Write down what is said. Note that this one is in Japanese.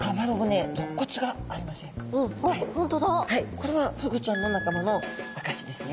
これはフグちゃんのなかまのあかしですね。